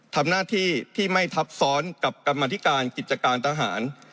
ทำหน้าที่ที่ไม่ทับซ้อนกับกรรมธิการกิจการทหาร